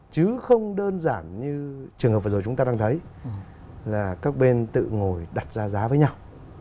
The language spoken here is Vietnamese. chứ không đơn giản như trường hợp vừa rồi chúng ta đang thấy là các bên tự ngồi đặt ra giá với nhau